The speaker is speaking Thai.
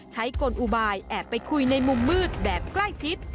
กลอุบายแอบไปคุยในมุมมืดแบบใกล้ชิด